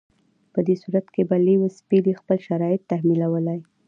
په دې صورت کې به لیویس پیلي خپل شرایط تحمیلولای.